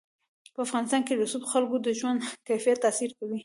په افغانستان کې رسوب د خلکو د ژوند کیفیت تاثیر کوي.